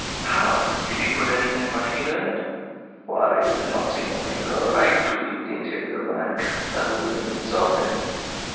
"How? did you put anything particular in it?" "Why, it did not seem altogether right to leave the interior blank; that would have been insulting.